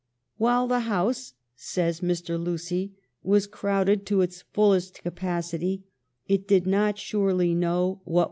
" While the House," says Mr. Lucy, " was crowded to its full est capacity, it did not surely know what was WlLUAH E.